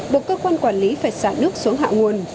buộc cơ quan quản lý phải xả nước xuống hạ nguồn